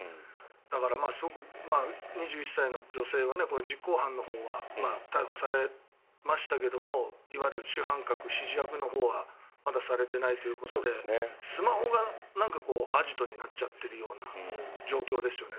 だから、２１歳の女性は実行犯のほうは逮捕されましたが主犯格、指示役のほうはまだされてないということでスマホがアジトになっちゃってるような状況ですよね。